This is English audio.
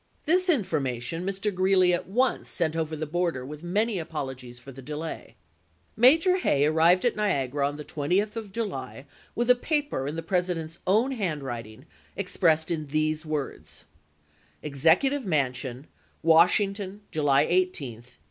This information Mr. Greeley at once sent over the border with many apologies for the delay. Major Hay arrived at Niagara on the 20th of July with a paper in the President's own hand writing, expressed in these words : Executive Mansion, Washington, July 18, 1864.